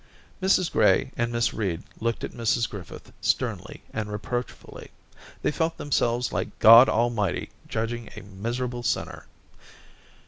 Mrs Gray and Miss Reed looked at Mrs Griffith sternly and reproachfully; they felt themselves like God Almighty judging a miserable sinner.